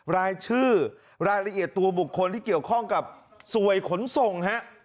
รายชื่อรายละเอียดตัวบุคคลที่เกี่ยวข้องกับสวยขนส่งฮะ